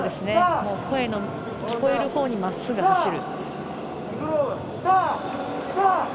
声の聞こえるほうにまっすぐ走る。